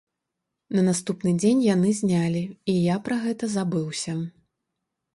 На наступны дзень яны знялі, і я пра гэта забыўся.